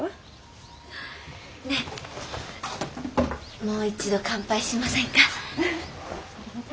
ねえもう一度乾杯しませんか。